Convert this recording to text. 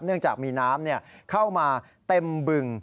เนื่องจากมีน้ำเข้ามาเต็มบึง